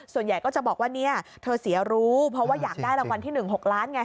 ส่วนใหญ่ก็จะบอกว่าเนี่ยเธอเสียรู้เพราะว่าอยากได้รางวัลที่๑๖ล้านไง